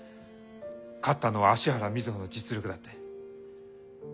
勝ったのは芦原瑞穂の実力だって。